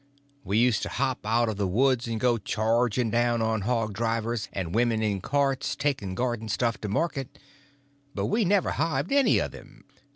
We used to hop out of the woods and go charging down on hog drivers and women in carts taking garden stuff to market, but we never hived any of them.